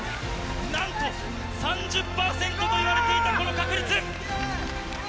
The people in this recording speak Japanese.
なんと３０％と言われていたこの確率。